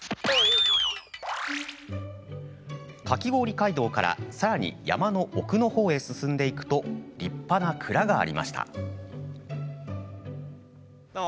街道からさらに山の奥のほうへ進んでいくと立派な蔵がありました。